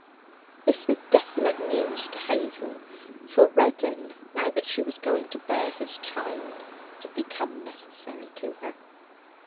This was desolate news to Hazel; for Reddin, now that she was going to bear his child, had become necessary to her.